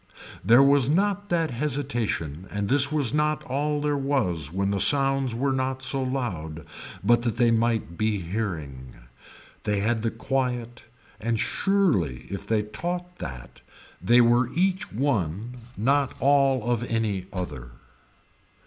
There was not that hesitation and this was not all there was when the sounds were not so loud but that they might be hearing. They had the quiet and surely if they taught that they were each one not all of any other.